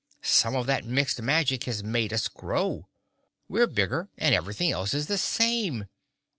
Some of that Mixed Magic has made us grow. We're bigger and everything else is the same.